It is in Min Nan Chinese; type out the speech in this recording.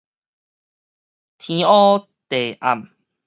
天烏地暗